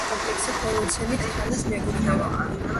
კომპლექსი ჰოლოცენის ხანას მიეკუთვნება.